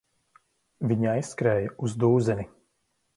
Viņi aizskrēja uz dūzeni.